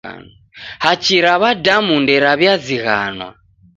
Hachi ra w'adamu nderaw'iazighanwa.